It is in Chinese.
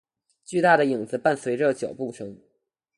巨大影子的伴随着脚步声。